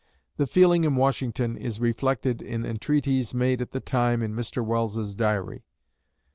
The feeling in Washington is reflected in entries made at the time in Mr. Welles's Diary.